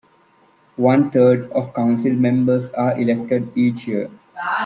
One third of council members are elected each year.